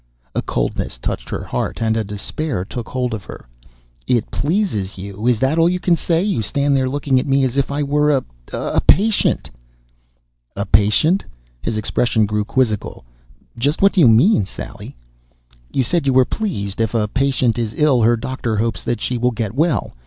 A coldness touched her heart and a despair took hold of her. "It pleases you! Is that all you can say? You stand there looking at me as if I were a a patient ..." "A patient?" His expression grew quizzical. "Just what do you mean, Sally?" "You said you were pleased. If a patient is ill her doctor hopes that she will get well.